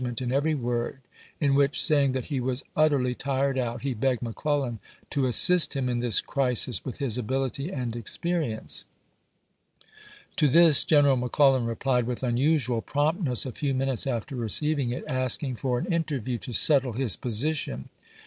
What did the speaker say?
ment in every word, in which, saying that he was p. 103." " utterly tired out," he begged McClellan " to assist him in this crisis with his ability and experience." To this General McClellan replied with unusual voi.'xii., promptness a few minutes after receiving it, ask p. 773. ■' ing for an interview to settle his position.